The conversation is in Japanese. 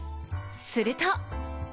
すると。